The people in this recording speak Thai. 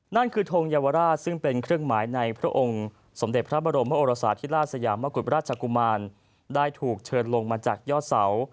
นั่นคือทงเยาวราชซึ่งเป็นเครื่องหมายในพระองค์สมเด็จพระบรมโอรสาธิราชสยามกุฎราชกุมารได้ถูกเชิญลงมาจากยอดเสา